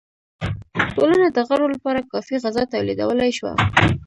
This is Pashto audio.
ټولنه د غړو لپاره کافی غذا تولیدولای شوه.